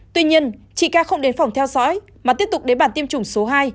tuy nhiên chị ca không đến phòng theo dõi mà tiếp tục đến bản tiêm chủng số hai